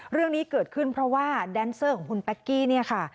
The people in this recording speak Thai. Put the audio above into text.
เรื่องนี้เกิดขึ้นเพราะว่าแดนเซอร์ของคุณแป๊กกี้เนี่ยค่ะ